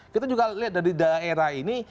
kita juga lihat dari daerah ini